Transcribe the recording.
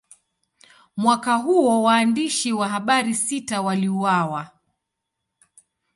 Mwaka huo, waandishi wa habari sita waliuawa.